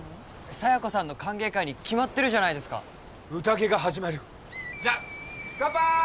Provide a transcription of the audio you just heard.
佐弥子さんの歓迎会に決まってるじゃないですか宴が始まるよじゃカンパーイ！